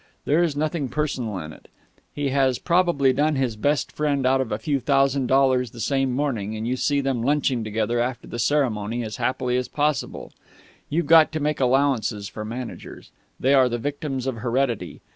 There is nothing personal in it. He has probably done his best friend out of a few thousand dollars the same morning, and you see them lunching together after the ceremony as happily as possible. You've got to make allowances for managers. They are the victims of heredity.